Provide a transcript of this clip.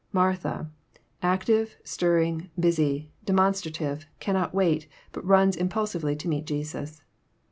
Martha — active, stirring, busy, demonstrative— cannot wait, but runs impulsively to meet Jesus.